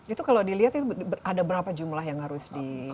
itu kalau dilihat itu ada berapa